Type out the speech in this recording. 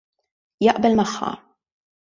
Jaqbel magħha.